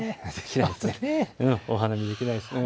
お花見できないですね。